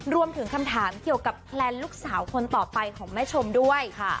รวมถึงคำถามเกี่ยวกับแพลนลูกสาวคนต่อไปของแม่ชมด้วย